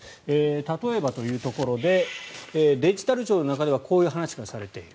例えば、デジタル庁の中ではこういう話がされている。